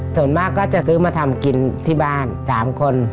ส่วนมากก็จะซื้อมาทำกินที่บ้าน๓คน